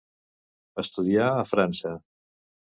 Estudià a França.